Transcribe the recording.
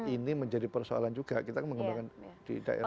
ini menjadi persoalan juga kita mengembangkan di daerah